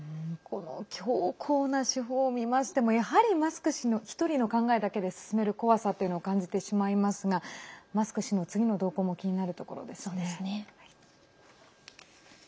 この強硬な手法を見ましてもやはりマスク氏の１人の考えだけで進める怖さっていうのを感じてしまいますがマスク氏の次の動向も気になるところですね。